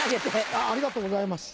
ありがとうございます。